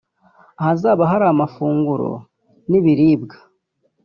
ahazaba hari amafunguro n’ibiribwa